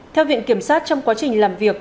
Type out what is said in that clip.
theo viện kiểm sát trong quá trình làm việc